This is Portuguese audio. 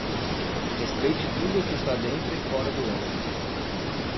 Respeite tudo o que está dentro e fora do ônibus.